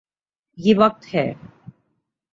یہ وقت ہے۔